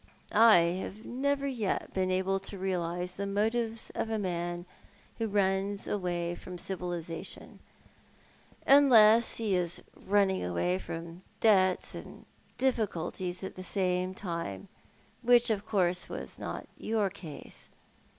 " I have never yet been able to realise the motives of a man who runs away from civilisation, unless he is running away from debts and difficulties at the same time, which, of course, was not your case.